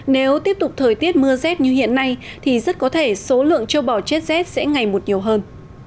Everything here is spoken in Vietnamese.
nếu tiếp tục thời tiết mưa rét như hiện nay thì rất có thể số lượng châu bò chết rét sẽ ngày một nhiều hơn